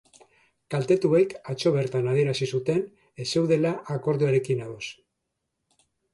Kaltetuek atzo bertan adierazi zuten ez zeudela akordioarekin ados.